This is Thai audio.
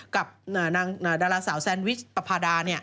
กับดาราสาวแซนวิชปภาดา